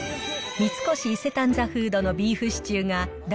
三越伊勢丹ザ・フードのビーフシチューです。